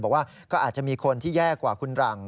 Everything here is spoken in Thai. บอกว่าก็อาจจะมีคนที่แย่กว่าคุณหลัง